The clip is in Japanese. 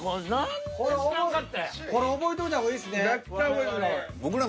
これ覚えといた方がいいっすね。